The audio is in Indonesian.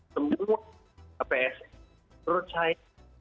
semua pss percaya